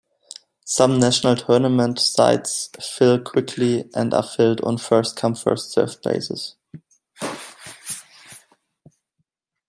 Some National Tournament sites fill quickly and are filled on first-come, first served basis.